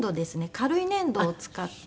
軽い粘土を使って。